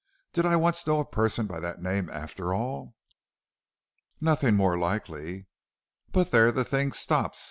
Did I once know a person by that name after all?" "Nothing more likely." "But there the thing stops.